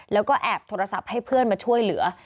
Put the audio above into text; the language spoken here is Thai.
แล้วก็แอบโทรศัพท์ให้เพื่อนมาช่วยเหลือ